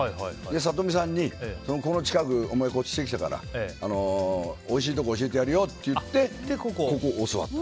里見さんに、ここの近くにお前、越してきたからおいしいところ教えてやるよって言われてここを教わった。